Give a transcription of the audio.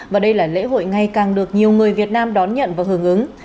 và đây là lễ hội ngày càng được nhiều người việt nam đón nhận và hưởng ứng